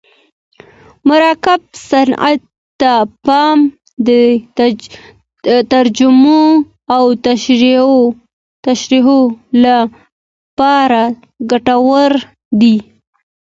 مرکب صفت ته پام د ترجمو او تشریحو له پاره ګټور دئ.